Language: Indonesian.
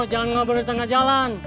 jangan ngobrol di tengah jalan